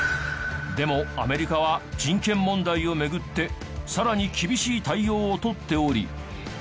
でもアメリカは人権問題を巡ってさらに厳しい対応を取っており。